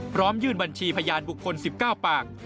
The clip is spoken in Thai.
ยื่นบัญชีพยานบุคคล๑๙ปาก